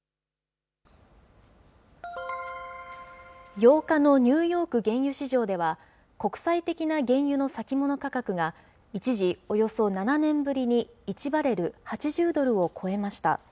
８日のニューヨーク原油市場では、国際的な原油の先物価格が、一時、およそ７年ぶりに１バレル８０ドルを超えました。